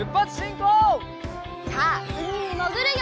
さあうみにもぐるよ！